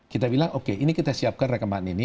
kita bilang oke ini kita siapkan rekaman ini